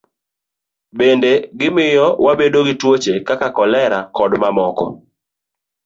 Bende, gimiyo wabedo gi tuoche kaka kolera, kod mamoko.